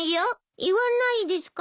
言わないですか？